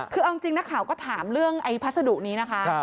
คือเอาจริงนักข่าวก็ถามเรื่องไอ้พัสดุนี้นะคะ